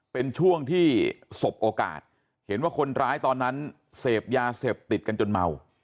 เพราะฉะนั้นเสพยาเสพติดกันจนเมา